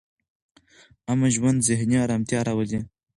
امن ژوند ذهني ارامتیا راولي.